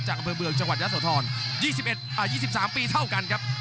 จากเมืองจังหวัดยาสวทรยี่สิบสามปีเท่ากันครับ